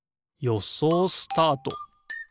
よそうスタート！